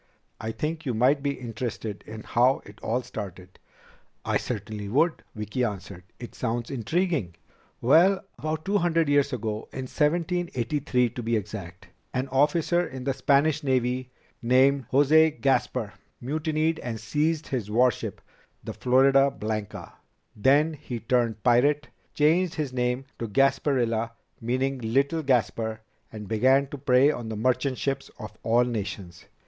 "I think you might be interested in how it all started." "I certainly would," Vicki answered. "It sounds intriguing." "Well, about two hundred years ago, in 1783 to be exact, an officer in the Spanish Navy named José Gaspar mutinied and seized his warship the Florida Blanca. Then he turned pirate, changed his name to Gasparilla, meaning Little Gaspar, and began to prey on the merchant ships of all nations.